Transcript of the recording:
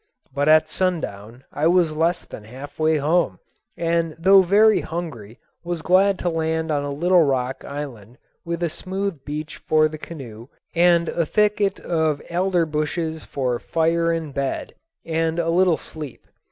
But at sundown I was less than half way home, and though very hungry was glad to land on a little rock island with a smooth beach for the canoe and a thicket of alder bushes for fire and bed and a little sleep.